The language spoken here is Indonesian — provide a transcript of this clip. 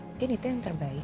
mungkin itu yang terbaik